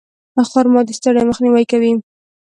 خرما د ستړیا مخنیوی کوي.